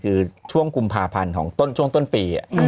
คือช่วงกุมภาพันธุ์ช่วงต้นปี